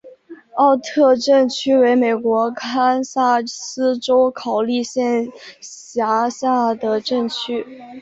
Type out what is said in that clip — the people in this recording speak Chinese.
奥特镇区为美国堪萨斯州考利县辖下的镇区。